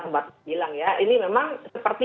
mbak bilang ya ini memang seperti